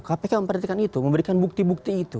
kpk memperhatikan itu memberikan bukti bukti itu